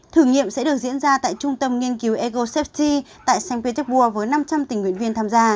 thử nghiệm sẽ được diễn ra tại trung tâm nghiên cứu ego safety tại st petersburg với năm trăm linh tình nguyện viên tham gia